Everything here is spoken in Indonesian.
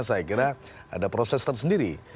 saya kira ada proses tersendiri